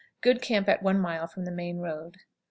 Good camp at one mile from the main road.